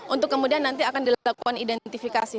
untuk kemudian nanti akan dilakukan identifikasi